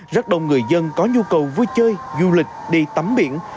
rất đông người dân có nhu cầu vui chơi du lịch đi tắm biển